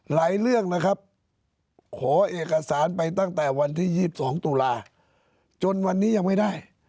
เรื่องนะครับขอเอกสารไปตั้งแต่วันที่๒๒ตุลาจนวันนี้ยังไม่ได้